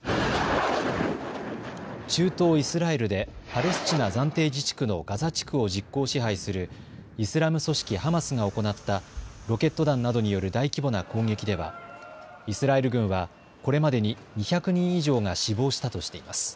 中東イスラエルでパレスチナ暫定自治区のガザ地区を実効支配するイスラム組織ハマスが行ったロケット弾などによる大規模な攻撃ではイスラエル軍はこれまでに２００人以上が死亡したとしています。